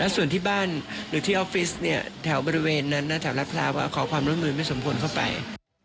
และส่วนที่บ้านหรือที่ออฟฟิศเนี่ยแถวบริเวณนั้นแถวรัฐพราวะขอความร่วมลืมให้สมบูรณ์เข้าไป